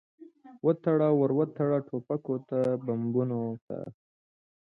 وتړه، ور وتړه ټوپکو ته، بمونو ته